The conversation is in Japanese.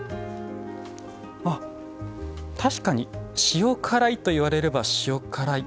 確かに塩辛いといわれれば塩辛い。